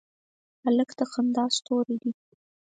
هلک د خندا ستوری دی.